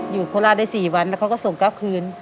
อยู่โคราชได้๔วันแล้วเขาก็ส่งกรับคืน